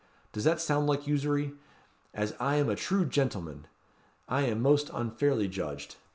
Does that sound like usury? As I am a true gentleman! I am most unfairly judged.